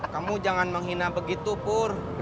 kamu jangan menghina begitu pur